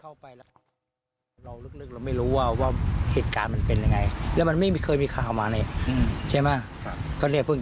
อาจารย์มันทุกอย่างของคนเสียชีวิตคิดว่ามันใกล้เคียง